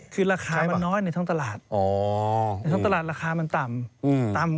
คือราคามันน้อยในท้องตลาดในท้องตลาดราคามันต่ำต่ำ